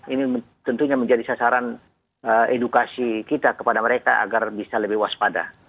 ini tentunya menjadi sasaran edukasi kita kepada mereka agar bisa lebih waspada